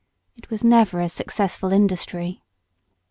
It was never a successful industry.